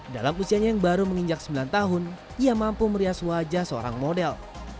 dalam usianya yang baru menginjak sembilan tahun ia mampu merias wajah seorang model